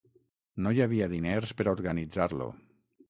No hi havia diners per organitzar-lo.